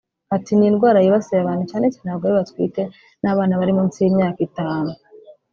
Ati″Ni indwara yibasira abantu cyane cyane abagore batwite n’abana bari munsi y’imyaka itanu